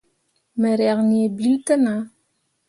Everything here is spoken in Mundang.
Me riak nii bill te nah.